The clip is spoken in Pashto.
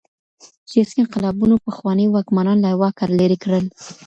سياسي انقلابونو پخواني واکمنان له واکه ليري کړل.